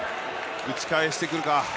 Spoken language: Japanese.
打ち返してくるか。